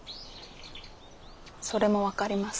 それも分かります。